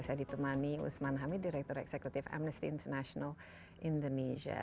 saya ditemani usman hamid direktur eksekutif amnesty international indonesia